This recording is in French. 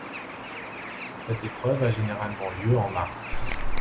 Cette épreuve a généralement lieu en mars.